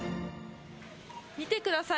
見てください